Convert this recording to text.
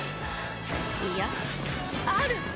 いやある！